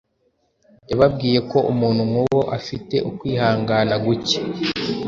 Yababwiye ko umuntu nk’uwo ufite ukwihangana guke